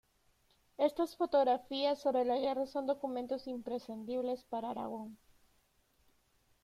Estas fotografías sobre la guerra son documentos imprescindibles para Aragón.